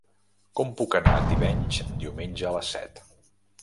Com puc anar a Tivenys diumenge a les set?